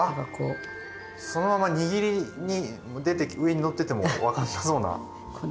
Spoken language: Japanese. そのまま握りに出て上に乗ってても分かんなそうな。